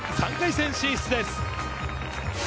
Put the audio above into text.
３回戦進出です。